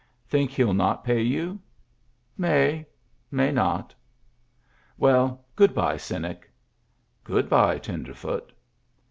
" Think he'll not pay you ?"" May. May not." "Well, good by. Cynic." "Good by, Tenderfoot."